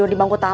kau bisa berjaya